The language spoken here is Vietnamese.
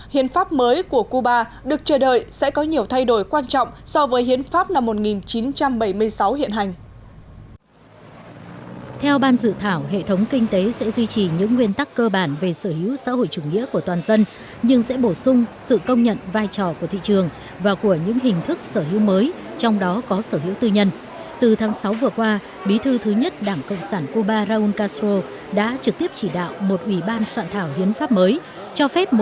hiến pháp mới của cuba được chờ đợi sẽ có nhiều thay đổi quan trọng so với hiến pháp năm một nghìn chín trăm bảy mươi sáu hiện hành